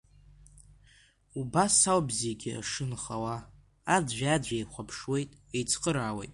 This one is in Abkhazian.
Убас ауп зегь шынхауа, аӡәи-аӡәи еихәаԥшуеит, еицхыраауеит.